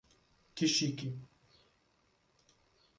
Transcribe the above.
Que chique!